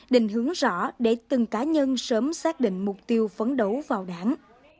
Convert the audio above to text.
định hướng rõ để từng cá nhân sớm xác định mục tiêu phấn đấu vào đảng